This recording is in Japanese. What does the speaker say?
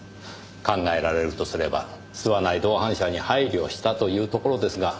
考えられるとすれば吸わない同伴者に配慮したというところですが。